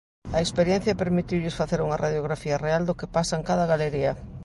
A experiencia permitiulles facer unha radiografía real do que pasa en cada galería.